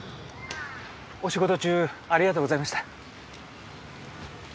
お仕事中ありがとうございました。